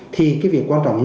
thì cái việc quan trọng nhất